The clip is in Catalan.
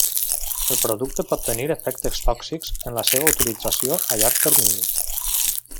El producte pot tenir efectes tòxics en la seva utilització a llarg termini.